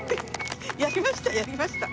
やりました！